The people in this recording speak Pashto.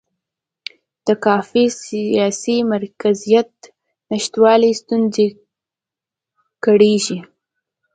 د کافي سیاسي مرکزیت نشتوالي ستونزې کړېږي.